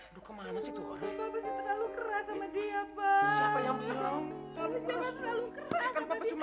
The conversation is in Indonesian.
aduh kemana sih tuh orang